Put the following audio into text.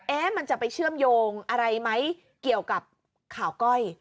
มันจะไปเชื่อมโยงอะไรไหมเกี่ยวกับข่าวก้อย